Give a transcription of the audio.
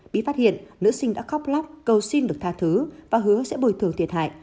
bị phát hiện nữ sinh đã khóc lóc cầu xin được tha thứ và hứa sẽ bồi thường thiệt hại